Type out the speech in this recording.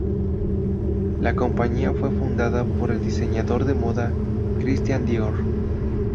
La compañía fue fundada por el diseñador de moda Christian Dior.